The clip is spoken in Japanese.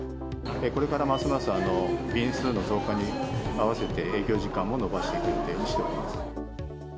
これからますます便数の増加に合わせて、営業時間も延ばしていく予定にしております。